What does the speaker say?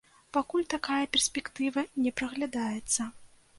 Пакуль такая перспектыва не праглядаецца.